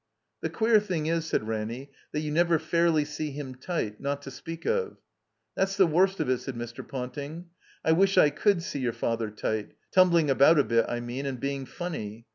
"The queer thing is," said Ranny, "that you never fairly see him tight. Not to speak of." "That's the worst of it," said Mr. Ponting. "I wish I could see your father tight — tumbling about a bit, I mean, and being fimny.